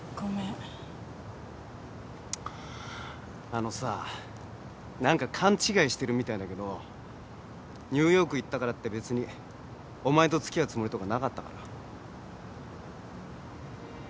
あのさ何か勘違いしてるみたいだけどニューヨーク行ったからって別にお前と付き合うつもりとかなかったから。